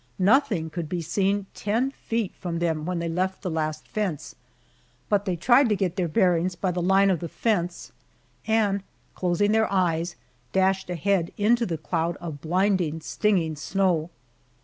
Nothing could be seen ten feet from them when they left the last fence, but they tried to get their bearings by the line of the fence, and closing their eyes, dashed ahead into the cloud of blinding, stinging snow.